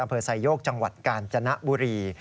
อำเภอไซโยกจังหวัดกาญจนบุรี